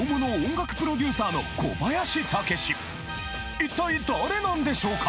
続いては一体誰なんでしょうか？